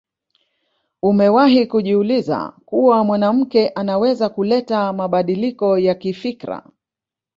Umewahi kujiuliza kuwa mwanamke anaweza kuleta mabadiliko ya kifikra